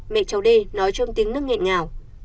mẹ cháu đê nói trong tiếng nước nghẹn ngào